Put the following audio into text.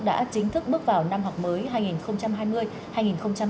đã chính thức bước vào năm học mới hai nghìn hai mươi hai nghìn hai mươi một